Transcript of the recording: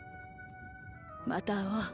また会おう。